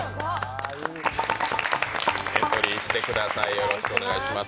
よろしくお願いします。